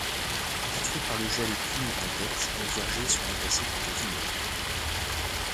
Détruits par le gel puis une tempête, les vergers sont remplacés par des vignobles.